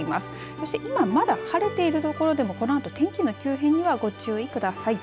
そして今まだ晴れてるところでもこのあと天気の急変にはご注意ください。